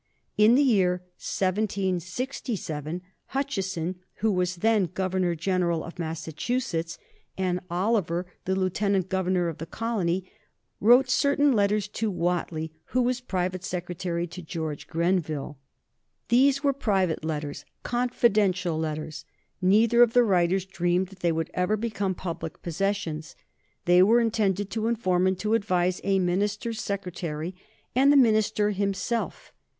[Sidenote: 1767 The letters of Hutchinson and Oliver] In the year 1767, Hutchinson, who was then Governor General of Massachusetts, and Oliver, the Lieutenant Governor of the colony, wrote certain letters to Whately, who was private secretary to George Grenville. These were private letters, confidential letters. Neither of the writers dreamed that they would ever become public possessions. They were intended to inform and to advise a minister's secretary and the minister himself.